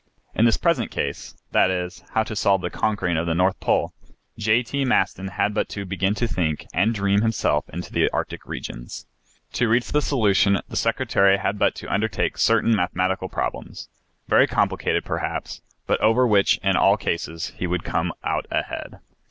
In this present case that is, how to solve the conquering of the North Pole, J. T. Maston had but to begin to think and dream himself into the Arctic regions. To reach the solution the secretary had but to undertake certain mathematical problems, very complicated, perhaps, but over which in all cases he would come out ahead.